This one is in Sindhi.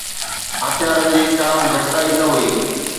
هٿيارن جي ڪا به گهٽتائي نه هئي.